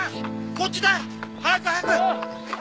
こっちだ！早く早く！